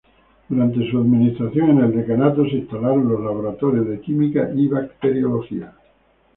Durante su administración en el decanato se instalaron los laboratorios de química y bacteriología.